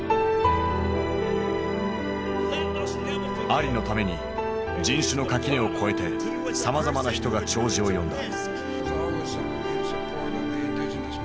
アリのために人種の垣根を越えてさまざまな人が弔辞を読んだ。